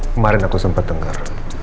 kemarin aku sempet denger